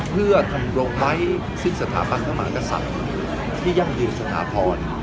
เพื่อทำลงไว้สิ้นสถาบันของหมากษัตริย์ที่ยั่งดื่มสถาพร